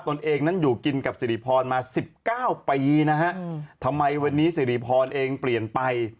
ตนเองนั้นอยู่กินกับสิริพรมา๑๙ปีนะฮะทำไมวันนี้สิริพรเองเปลี่ยนไป